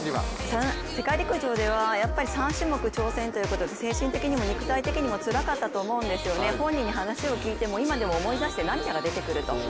世界陸上では３種目挑戦ということで精神的にも肉体的にもつらかったと思うんですよね、本人に話を聞いても今でも思い出して涙が出てくると。